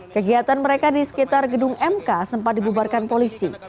kegiatan mereka di sekitar gedung mk sempat dibubarkan polisi